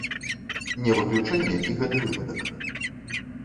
Не выключэнне і гэты выпадак.